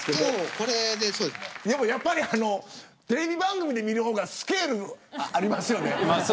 それでも、やっぱりテレビ番組で見る方がスケールありますよね。